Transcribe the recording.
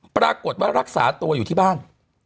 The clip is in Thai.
ปรากฏว่ารักษาตัวอยู่ที่บ้าน